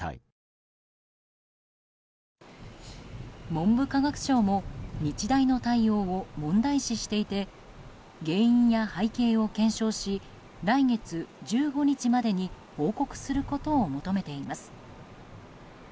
文部科学省も日大の対応を問題視していて原因や背景を検証し来月１５日までに報告することを求めています。